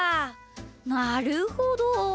なるほど！